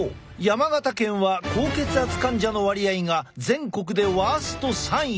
山形県は高血圧患者の割合が全国でワースト３位。